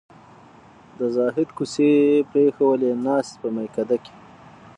د زهد کوڅې یې پرېښوولې ناست په میکده کې